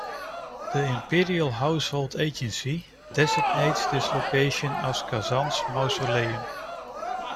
The Imperial Household Agency designates this location as Kazan's mausoleum.